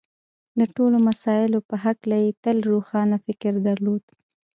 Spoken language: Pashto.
د ټولو مسألو په هکله یې تل روښانه فکر درلود